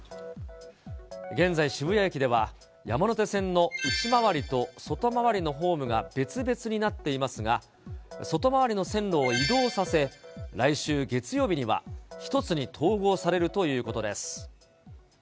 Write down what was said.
現在、渋谷駅では、山手線の内回りと外回りのホームが別々になっていますが、外回りの線路を移動させ、来週月曜日には、一つに統合されるということです。